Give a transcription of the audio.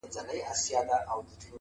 و ذهن ته دي بيا د بنگړو شرنگ در اچوم؛